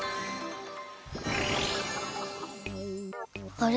あれ？